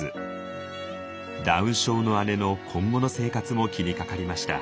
ダウン症の姉の今後の生活も気にかかりました。